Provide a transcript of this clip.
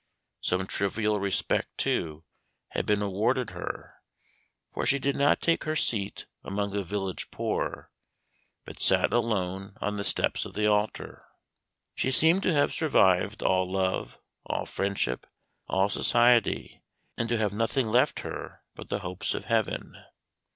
Some trivial respect, too, had been awarded her, for she did not take her seat among the village poor, but sat alone on the steps of the altar. She seemed to have survived all love, all friendship, all society, and to have nothing left her but the hopes of heaven.